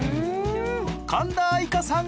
神田愛花さん